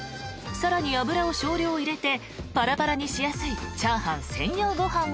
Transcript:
［さらに油を少量入れてパラパラにしやすいチャーハン専用ご飯を炊く］